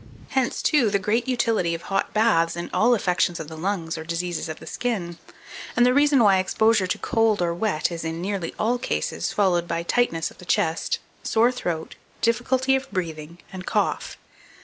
Hence, too, the great utility of hot baths in all affections of the lungs or diseases of the skin; and the reason why exposure to cold or wet is, in nearly all cases, followed by tightness of the chest, sore throat, difficulty of breathing, and cough.